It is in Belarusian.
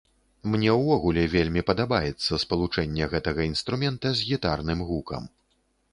Мне ўвогуле вельмі падабаецца спалучэнне гэтага інструмента з гітарным гукам.